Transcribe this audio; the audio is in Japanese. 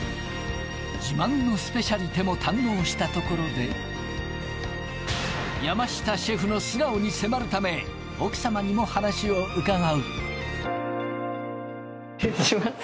自慢のスペシャリテも堪能したところで山下シェフの素顔に迫るため奥さまにも話を伺う失礼します